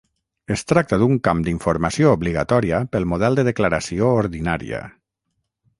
Es tracta d'un camp d'informació obligatòria pel model de declaració ordinària.